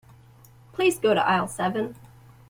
Please go to aisle seven.